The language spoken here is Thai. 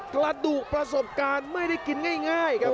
กระดูกประสบการณ์ไม่ได้กินง่ายครับ